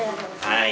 はい。